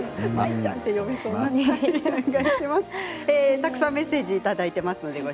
たくさんメッセージをいただいています。